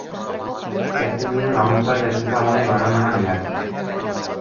Ezin nien laguntzaile ezezagunei banan-banan idatzi.